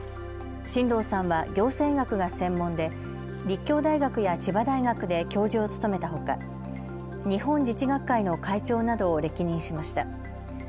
新藤さんは行政学が専門で立教大学や千葉大学で教授を務めたほか日本自治学会の会長などを歴任しました。